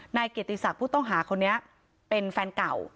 นายเกียรติศักดิ์ผู้ต้องหาคนนี้เป็นแฟนเก่า